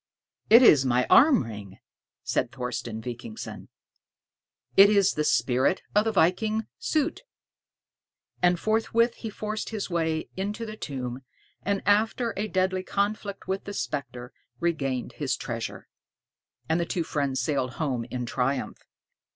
"It is my arm ring," said Thorsten Vikingsson; "it is the spirit of the viking Soté." And forthwith he forced his way into the tomb, and, after a deadly conflict with the specter, regained his treasure. And the two friends sailed home in triumph.